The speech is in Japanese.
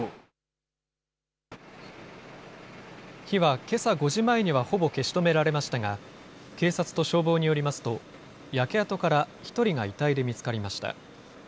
火はけさ５時前にはほぼ消し止められましたが、警察と消防によりますと、焼け跡から１人が遺体で見つかりました。